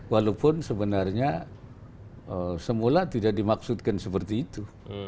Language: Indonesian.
walaupun sebenarnya semula tidak dimaksudkan seperti itu